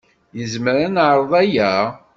Nezmer ad neɛreḍ aya?